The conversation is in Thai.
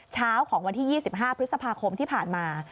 เช้าของวันที่๒๕พฤษภาคมที่ผ่านมา